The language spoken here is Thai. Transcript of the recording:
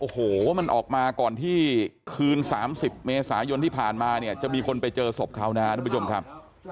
โอ้โหมันออกมาก่อนที่คืน๓๐เมษายนที่ผ่านมาเนี่ยจะมีคนไปเจอศพเขานะครับทุกผู้ชมครับ